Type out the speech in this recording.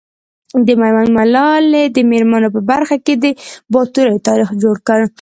د ميوند ملالي د مېرمنو په برخه کي د باتورئ تاريخ جوړ کړ .